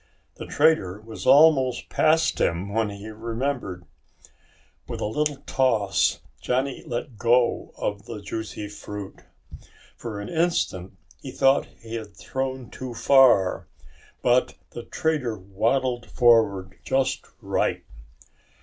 The trader was almost past him when he remembered. With a little toss Johnny let go of the juicy fruit. For an instant he thought he had thrown too far, but the trader waddled forward just right.